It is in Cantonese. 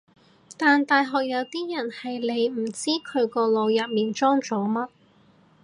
但大學有啲人係你唔知佢個腦入面裝咗乜